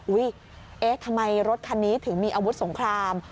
เอ๊ะทำไมรถคันนี้ถึงมีอาวุธสงคราม